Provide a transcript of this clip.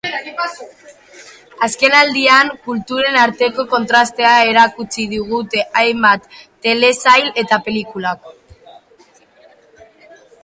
Azkenaldian, kulturen arteko kontrastea erakutsi digute hainbat telesail eta pelikulak.